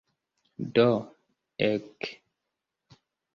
Do, ek.